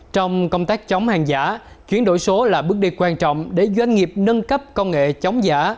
trong công tác chống hàng giả chuyển đổi số là bước đi quan trọng để doanh nghiệp nâng cấp công nghệ chống giả